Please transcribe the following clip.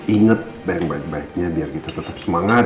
ingat baik baiknya biar kita tetap semangat